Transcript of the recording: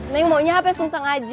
neng maunya hp sengseng aja